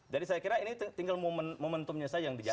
jadi saya kira ini tinggal momentumnya saja yang dijaga